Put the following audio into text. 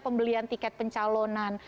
pembelian tiket pencalonan